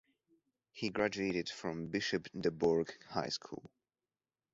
He graduated from Bishop DuBourg High School.